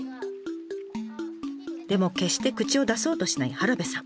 でも決して口を出そうとしない原部さん。